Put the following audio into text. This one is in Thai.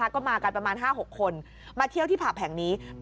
ก็มากันประมาณ๕๖คนมาเที่ยวที่ผับแห่งนี้